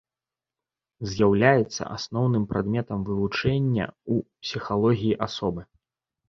З'яўляецца асноўным прадметам вывучэння ў псіхалогіі асобы.